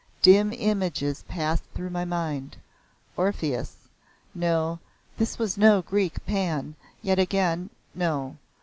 Dim images passed through my mind. Orpheus No, this was no Greek. Pan yet again, No.